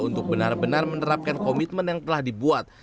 untuk benar benar menerapkan komitmen yang telah dibuat